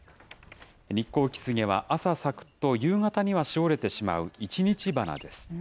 ニッコウキスゲは朝咲くと夕方にはしおれてしまう一日花です。